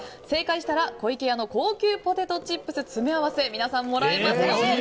正解したら湖池屋の高級ポテトチップス詰め合わせ皆さん、もらえますよ。